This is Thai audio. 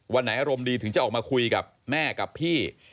วันไหนอารมณ์ดีถึงจะออกมาคุยกับแม่กับพี่